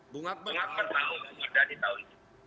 bung akbar tahu bang mardhani tahu